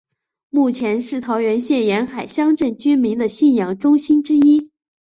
目前是桃园县沿海乡镇居民的信仰中心之一。